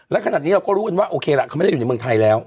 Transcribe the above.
แล้วขนาดนี้เราก็รู้เป็นว่ามาได้อยู่ในเมืองไทยแล้ว